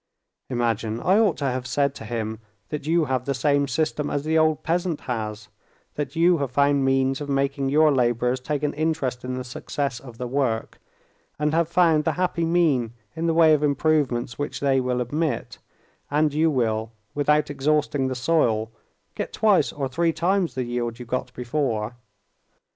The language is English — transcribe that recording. Imagine, I ought to have said to him, that you have the same system as the old peasant has, that you have found means of making your laborers take an interest in the success of the work, and have found the happy mean in the way of improvements which they will admit, and you will, without exhausting the soil, get twice or three times the yield you got before.